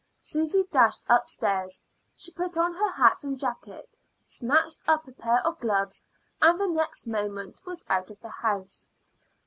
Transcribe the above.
Susy dashed upstairs. She put on her hat and jacket, snatched up a pair of gloves, and the next moment was out of the house.